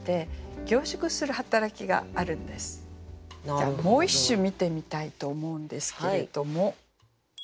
じゃあもう一首見てみたいと思うんですけれども。